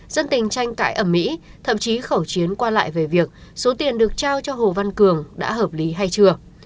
dân tình tranh cãi ẩm mỹ thậm chí khẩu chiến qua lại về việc số tiền được trao cho hồ văn cường đã hợp lý hay chưa